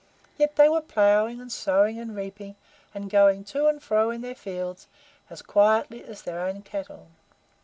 Yet they were ploughing and sowing and reaping, and going to and fro in their fields, as quietly as their own cattle."